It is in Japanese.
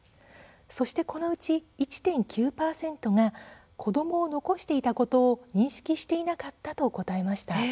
このうち１．９％が子どもを残していたことを認識していなかったと答えました。